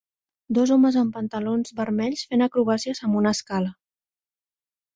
Dos homes amb pantalons vermells fent acrobàcies amb una escala.